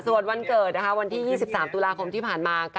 ส่วนวันเกิดวันที่๒๓ตุลาคมที่ผ่านมา